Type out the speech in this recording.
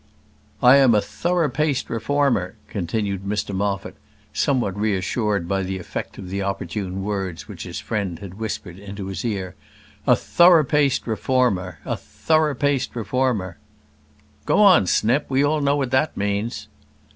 "I am a thorough paced reformer," continued Mr Moffat, somewhat reassured by the effect of the opportune words which his friend had whispered into his ear. "A thorough paced reformer a thorough paced reformer " "Go on, Snip. We all know what that means."